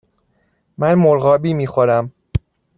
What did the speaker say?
من مرغابی می خورم.